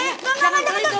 eh enggak enggak enggak